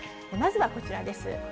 まずはこちらです。